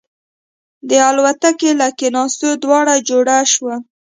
د الوتکې له کېناستو دوړه جوړه شوه.